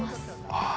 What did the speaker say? ああ